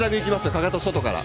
かかとが外から。